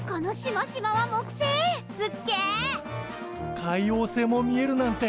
海王星も見えるなんて。